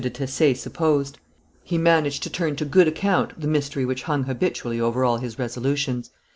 de Tess supposed; he managed to turn to good account the mystery which hung habitually over all his resolutions.